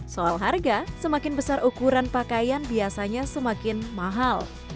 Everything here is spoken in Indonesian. soal harga semakin besar ukuran pakaian biasanya semakin mahal